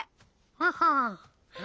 ハハハ？